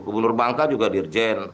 gubernur bangka juga dirjen